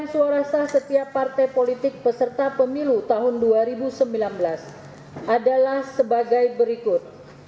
suara sah setiap partai politik peserta pemilu tahun dua ribu sembilan belas adalah sebagai berikut